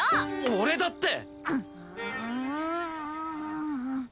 俺だって！